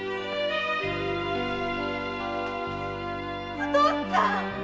お父っつぁん‼